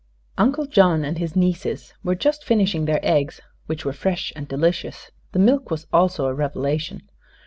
Uncle John and his nieces were just finishing their eggs, which were fresh and delicious. The milk was also a revelation.